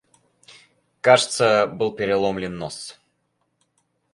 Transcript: Кажется, был переломлен нос.